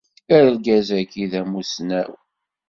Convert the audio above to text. Argaz-agi d amussnaw